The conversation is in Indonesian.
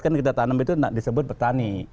kan kita tanam itu disebut petani